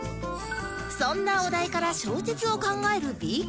そんなお題から小説を考える ＢＫＢ さん